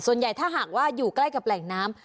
ส่วนใหญ่ถ้าหากว่าอยู่ใกล้กับแหล่งน้ำ